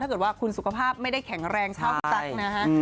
ถ้าเกิดว่าคุณสุขภาพไม่ได้แข็งแรงเท่าพี่ตั๊กนะฮะ